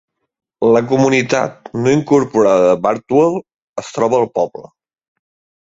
La comunitat no incorporada de Bardwell es troba al poble.